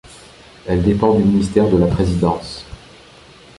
Elle dépend du ministère de la Présidence.